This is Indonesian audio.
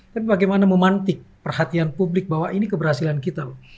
tapi bagaimana memantik perhatian publik bahwa ini keberhasilan kita loh